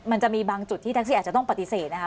มันจะมีบางจุดที่แท็กซี่อาจจะต้องปฏิเสธนะคะ